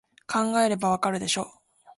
考えればわかるでしょ